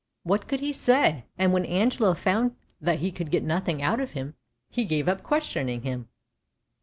what could he say? And when Angelo found that he could get nothing out of him, he gave up questioning him.